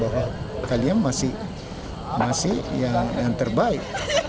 bahwa kalian masih yang terbaik